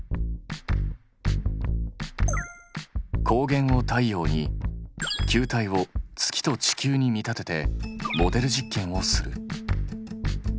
光源を太陽に球体を月と地球に見立ててモデル実験をする。